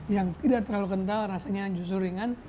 yang tidak terlalu kental rasanya yang justru ringan